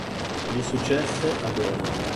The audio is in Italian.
Gli successe Adone.